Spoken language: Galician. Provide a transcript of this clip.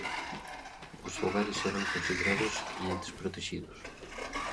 Os fogares serán considerados "clientes protexidos".